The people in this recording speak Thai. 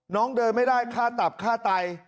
น้องเดินไม่ได้ค่าตับฆ่าไต